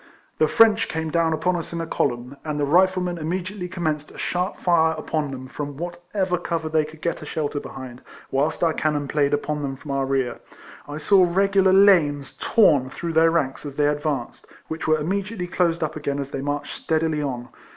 The French came down upon us in a column, and the Riflemen immediately com menced a sharp fire upon them from what ever cover they could get a shelter behind, whilst our cannon played upon them from our rear. I saw regular lanes torn through their ranks as they advanced, which were immedi ately closed up again as they marched steadily on.